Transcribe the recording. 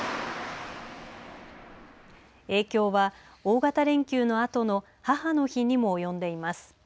影響は大型連休のあとの母の日にも及んでいます。